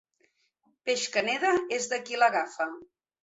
Peix que neda és de qui l'agafa.